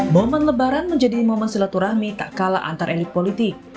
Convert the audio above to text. momen lebaran menjadi momen silaturahmi tak kalah antar elit politik